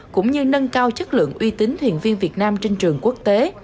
cũng như nâng cao chất lượng uy tín thuyền viên việt nam trên trường quốc tế